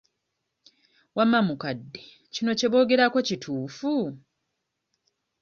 Wamma mukadde kino kye boogerako kituufu?